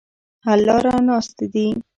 حل لاره ناستې دي.